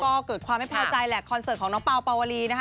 ก็เกิดความไม่พอใจแหละคอนเสิร์ตของน้องเปล่าปาวลีนะคะ